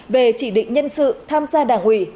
về chỉ định nhân sự tham gia đảng ủy